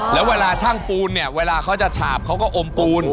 แล้วเวลาช่างปูนเนี่ยเวลาเขาจะฉาบเขาก็อมปูน